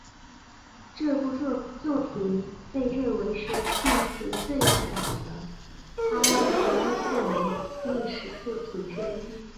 这部作品被认为是幸存的最早的阿拉伯伊斯兰历史作品之一。